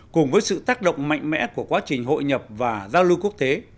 cùng với sự tác động mạnh mẽ của quá trình hội nhập và giao lưu quốc tế